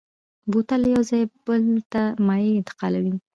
بوتل له یو ځایه بل ته مایع انتقالوي.